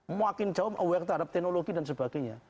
makin jauh aware terhadap teknologi dan sebagainya